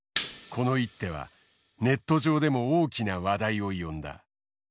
この一手はネット上でも大きな話題を呼んだ。